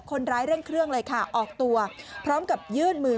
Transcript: คนร้ายเร่งเครื่องออกตัวพร้อมกับยืดมือ